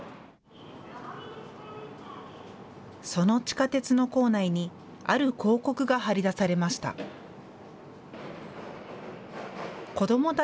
その地下鉄の構内にある広告が張り出されました。